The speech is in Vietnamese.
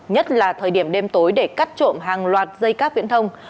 nhất là thời điểm đêm tối để cắt trộm hàng loạt dây cáp viễn thông